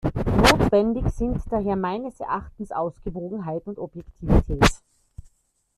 Notwendig sind daher meines Erachtens Ausgewogenheit und Objektivität.